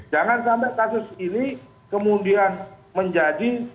jangan sampai kasus ini kemudian menjadi